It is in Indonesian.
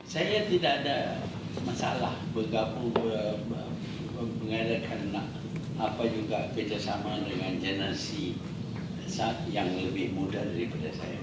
saya tidak ada masalah bergabung mengadakan apa juga kerjasama dengan generasi yang lebih muda daripada saya